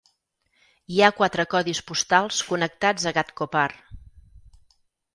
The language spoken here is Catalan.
Hi ha quatre codis postals connectats a Ghatkopar.